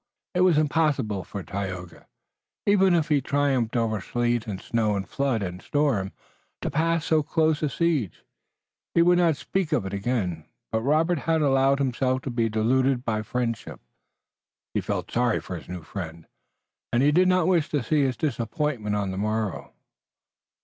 It was impossible for Tayoga, even if he had triumphed over sleet and snow and flood and storm, to pass so close a siege. He would not speak of it again, but Robert had allowed himself to be deluded by friendship. He felt sorry for his new friend, and he did not wish to see his disappointment on the morrow.